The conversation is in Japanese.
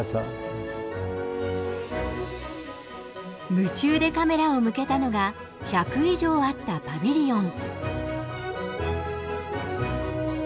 夢中でカメラを向けたのが１００以上あったパビリオン。